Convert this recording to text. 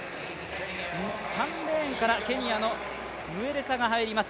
３レーンからケニアのムウェレサが入ります。